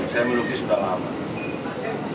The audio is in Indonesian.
saya melukis sudah lama